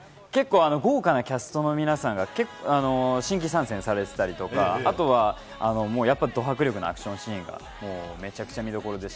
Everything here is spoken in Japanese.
豪華なキャストの皆さんが新規参戦されていたりとか、あとはやっぱり、ど迫力のアクションシーンがめちゃくちゃ見どころです。